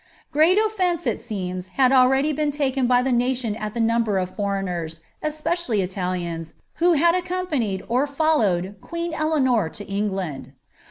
Oreat oflijncc, it seems, had tJready been taken by the nation tl lb« nniubor of foreigners, especially lialians, who had accompwiied, oi fol lowed, ijueen Eleanor to Rutland.